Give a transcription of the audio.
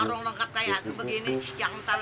ini égalnya lah tangan puji tenggara